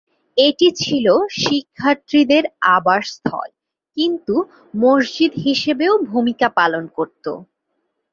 এটি ছিল শিক্ষার্থীদের আবাসস্থল কিন্তু মসজিদ হিসেবেও ভূমিকা পালন করত।